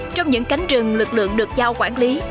trong những cánh rừng lực lượng được giao quản lý